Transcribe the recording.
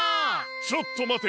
ちょっとまて。